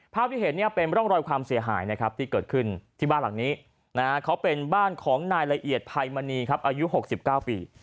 ภาพที่เห็นเนี่ยเป็นร่องรอยความเสียหายนะครับที่เกิดขึ้นที่บ้านหลังนี้เขาเป็นบ้านของนายละเอียดภัยมณีครับอายุ๖๙ปี